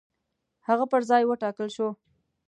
هغه پر ځای وټاکل شو.